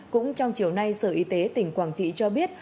cũng trong chiều nay sở y tế tỉnh quảng trị cho biết